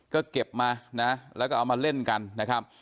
ก็เก็บมานะแล้วก็เอามาเล่นกันนะครับ